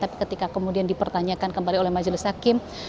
tapi ketika kemudian dipertanyakan kembali oleh majelis hakim